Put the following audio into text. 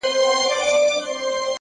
د ژوند مانا په اغېزمن حضور کې ده,